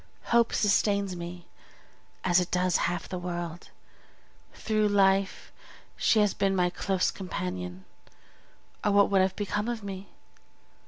Hope sustains me, as it does half the world; through life she has been my close companion, or what would have become of me?